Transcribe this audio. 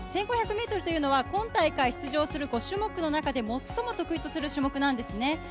１５００メートルというのは、今大会出場する５種目の中で、最も得意とする種目なんですね。